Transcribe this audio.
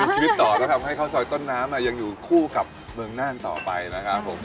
ชีวิตต่อแล้วทำให้ข้าวซอยต้นน้ำยังอยู่คู่กับเมืองน่านต่อไปนะครับผม